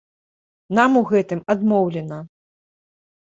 Нам у гэтым адмоўлена.